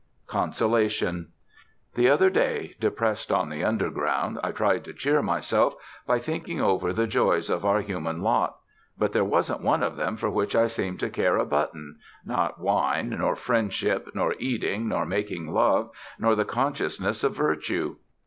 CONSOLATION The other day, depressed on the Underground, I tried to cheer myself by thinking over the joys of our human lot. But there wasn't one of them for which I seemed to care a button not Wine, nor Friendship, nor Eating, nor Making Love, nor the Consciousness of Virtue.